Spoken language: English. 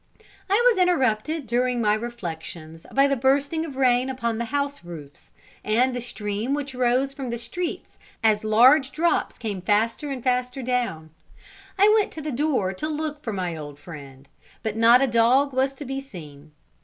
I was interrupted during my reflections by the bursting of rain upon the house roofs, and the stream which rose from the streets as the large drops came faster and faster down. I went to the door to look for my old friend, but not a dog was to be seen.